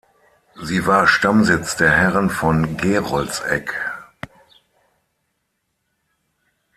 Sie war Stammsitz der Herren von Geroldseck.